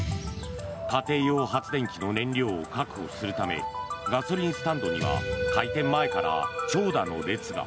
家庭用発電機の燃料を確保するためガソリンスタンドには開店前から長蛇の列が。